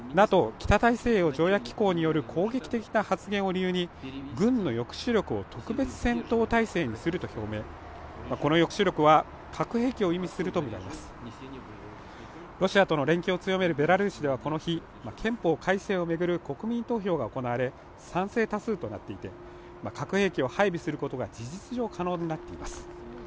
ＮＡＴＯ北大西洋条約機構による攻撃的な発言を理由に軍の抑止力を特別戦闘態勢にすると表明この抑止力は核兵器を意味すると見られますロシアとの連携を強めるベラルーシではこの日憲法改正を巡る国民投票が行われ賛成多数となっていて核兵器を配備することが事実上可能になっています